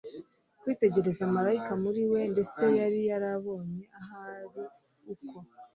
kwitegereza marayika muri we ndetse yari yarabonye, ahari, uko